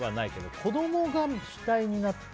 子供が主体になって。